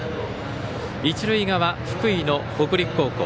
一塁側、福井の北陸高校。